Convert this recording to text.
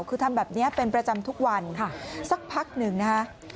คือทำแบบนี้เป็นประจำทุกวันสักพักหนึ่งนะฮะ